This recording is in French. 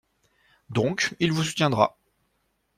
Donc, il vous soutiendra.